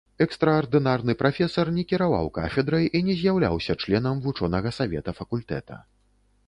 Экстраардынарны прафесар не кіраваў кафедрай і не з'яўляўся членам вучонага савета факультэта.